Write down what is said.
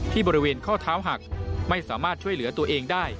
บริเวณข้อเท้าหักไม่สามารถช่วยเหลือตัวเองได้